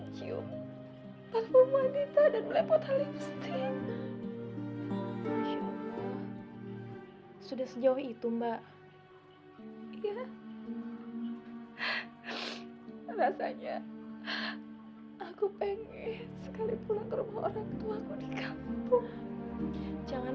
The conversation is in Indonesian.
jadi saya kemarin mau pinjam mobil